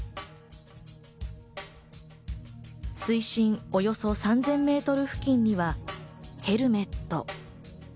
水深およそ３０００メートル付近にはヘルメット。